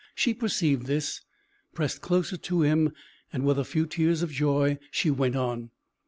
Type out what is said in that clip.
She perceived this, pressed closer to him, and with a few tears of joy she went on.